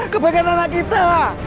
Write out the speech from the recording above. kebaikan anak kita